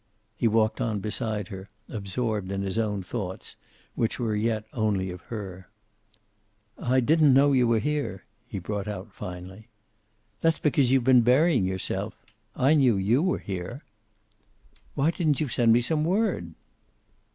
He walked on beside her, absorbed in his own thoughts, which were yet only of her. "I didn't know you were here," he brought out finally. "That's because you've been burying yourself. I knew you were here." "Why didn't you send me some word?"